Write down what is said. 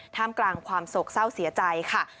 ท่ามกลางความโศกเศร้าเสียใจค่ะ